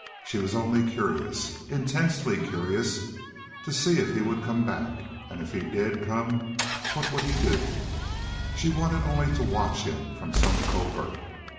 She was only curious intensely curious to see if he would come back, and if he did come what he would do. She wanted only to watch him from some covert.